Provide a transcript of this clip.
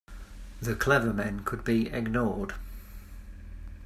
The clever men could be ignored.